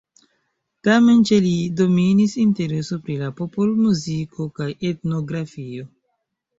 Tamen ĉe li dominis intereso pri la popolmuziko kaj etnografio.